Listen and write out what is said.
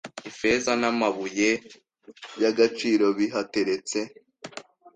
ifeza namabuye yagaciro bihateretse